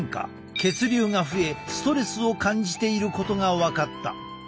血流が増えストレスを感じていることが分かった。